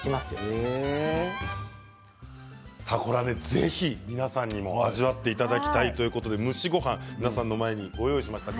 ぜひ皆さんにも味わっていただきたいということで蒸しごはんを皆さんの前にご用意しました。